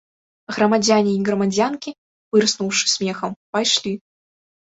Грамадзяне й грамадзянкі, пырснуўшы смехам, пайшлі.